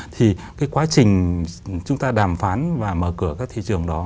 thì cái quá trình chúng ta đàm phán và mở cửa các thị trường đó